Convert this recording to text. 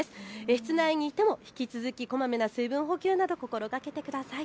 室内にいても引き続きこまめな水分補給など心がけてください。